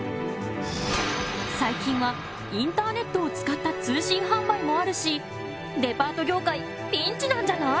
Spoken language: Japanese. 最近はインターネットを使った通信販売もあるしデパート業界ピンチなんじゃない！？